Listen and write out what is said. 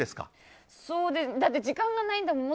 だって時間がないんだもん。